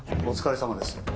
お疲れさまです。